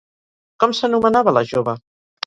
Com s'anomenava la jove?